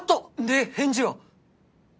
で返事は？